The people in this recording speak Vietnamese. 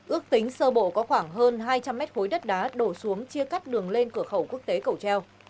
ước tính sơ bộ có khoảng hơn hai trăm linh mét khối đất đá đổ xuống chia cắt đường lên cửa khẩu quốc tế cầu treo